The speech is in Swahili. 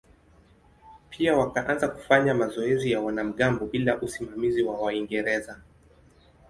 Pia wakaanza kufanya mazoezi ya wanamgambo bila usimamizi wa Waingereza.